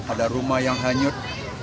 ada rumah yang hanyut